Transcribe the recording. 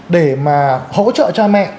để mà hỗ trợ cha mẹ